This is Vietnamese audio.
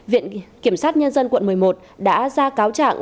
viện kiểm sát nhân dân quận một mươi một đã ra cáo trạng